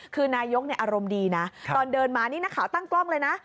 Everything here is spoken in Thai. คือนายกอารมณ์ดีนะตอนเดินมานี่นักข่าวตั้งกล้องเลยนะ